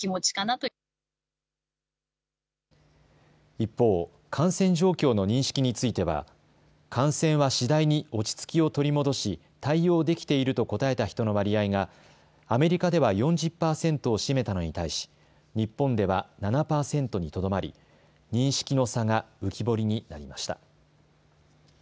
一方、感染状況の認識については感染は次第に落ち着きを取り戻し対応できていると答えた人の割合がアメリカでは４０％を占めたのに対し日本では７％にとどまり認識の差が浮き彫りになりました。